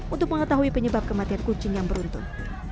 untuk mengetahui penyebab kematian kucing yang beruntung